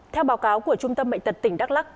theo báo cáo của trung tâm bệnh tật tỉnh đắk lắc